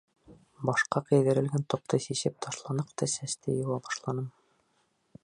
Башҡа кейҙерелгән тоҡто сисеп ташланыҡ та сәсте йыуа башланым.